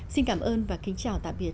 xin cảm ơn và kính chào tạm biệt